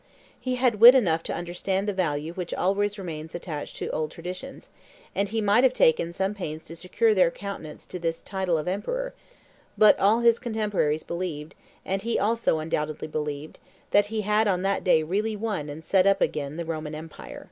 He had wit enough to understand the value which always remains attached to old traditions, and he might have taken some pains to secure their countenance to his title of emperor; but all his contemporaries believed, and he also undoubtedly believed, that he had on that day really won and set up again the Roman empire.